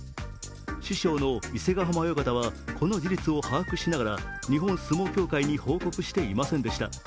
師匠の伊勢ヶ浜親方はこの事実を把握しながら日本相撲協会に報告していませんでした。